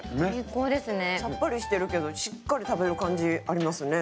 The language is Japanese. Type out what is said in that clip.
さっぱりしてるけどしっかり食べる感じありますね。